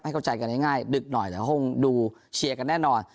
เข้าใจกันง่ายดึกหน่อยแต่คงดูเชียร์กันแน่นอน